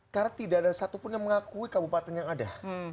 karena tidak ada satupun yang mengakui kabupaten yang ada